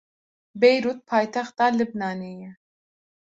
Beyrûd paytexta Libnanê ye.